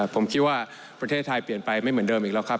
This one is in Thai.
ผมคิดว่าประเทศไทยเปลี่ยนไปไม่เหมือนเดิมอีกแล้วครับ